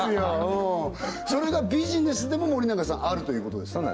うんそれがビジネスでも森永さんあるということですか？